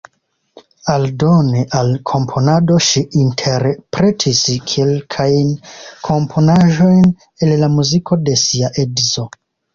Aldone al komponado ŝi interpretis kelkajn komponaĵojn el la muziko de sia edzo.